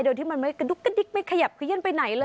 โดยที่มันไม่กระดุ๊กกระดิ๊กไม่ขยับขยื่นไปไหนเลย